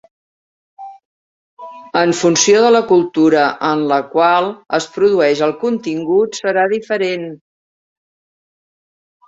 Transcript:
En funció de la cultura en la qual es produeix el contingut serà diferent.